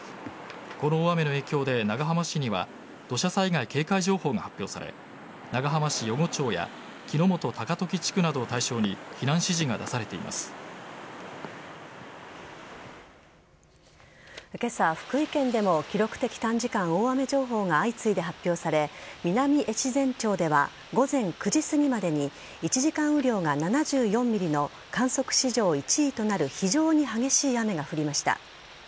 この大雨の影響で長浜市には土砂災害警戒情報が発表され長浜市余呉町や木之本高時地区などを対象に今朝、福井県でも記録的短時間大雨情報が相次いで発表され南越前町では午前９時すぎまでに１時間雨量が７４ｍｍの観測史上１位となる非常に激しい雨が降りました。